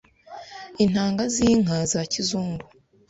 intanga z’inka za kizungu